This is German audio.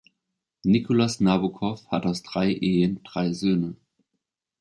Nicolas Nabokov hat aus drei Ehen drei Söhne.